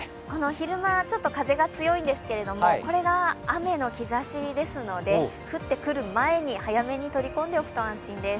昼間、ちょっと風が強いんですけど、これが雨の兆しですので降ってくる前に早めに取り込んでおくと安心です。